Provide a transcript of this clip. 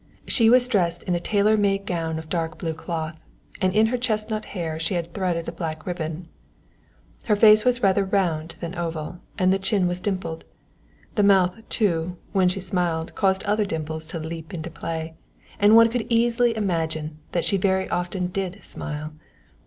She was dressed in a tailor made gown of dark blue cloth, and in her chestnut hair she had threaded a black ribbon. Her face was rather round than oval and the chin was dimpled. The mouth, too, when she smiled caused other dimples to leap into play, and one could easily imagine that she very often did smile.